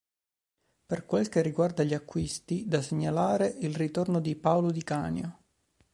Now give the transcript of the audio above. Per quel che riguarda gli acquisti, da segnalare il ritorno di Paolo Di Canio.